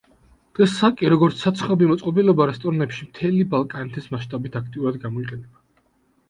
დღეს საკი როგორც საცხობი მოწყობილობა რესტორნებში მთელი ბალკანეთის მაშტაბით აქტიურად გამოიყენება.